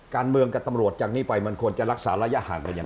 การเมืองกับตำรวจจากนี้ไปมันควรจะรักษาระยะห่างกันยังไง